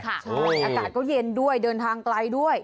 อากาศก็เย็นด้วยเดินทางไกลด้วย